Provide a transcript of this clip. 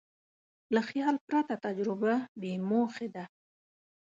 له خیال پرته تجربه بېموخې ده.